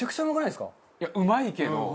いやうまいけど。